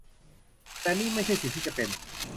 แต่นี่ไม่ใช่สิ่งที่จะเป็น